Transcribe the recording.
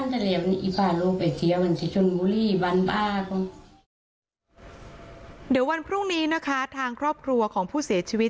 เดี๋ยววันพรุ่งนี้นะคะทางครอบครัวของผู้เสียชีวิต